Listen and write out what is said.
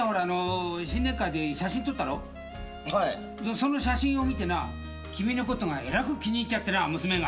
その写真を見てな君のことがえらく気に入っちゃってな娘が。